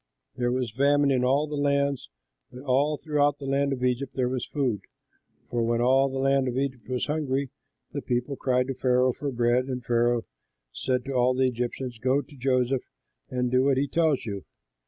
There was famine in all lands, but all through the land of Egypt there was food, for when all the land of Egypt was hungry, the people cried to Pharaoh for bread, and Pharaoh said to all the Egyptians, "Go to Joseph and do what he tells you."